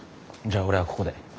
じゃあ俺はここで。